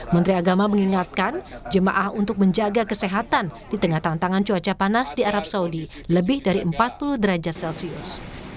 menteri agama mengingatkan jemaah untuk menjaga kesehatan di tengah tantangan cuaca panas di arab saudi lebih dari empat puluh derajat celcius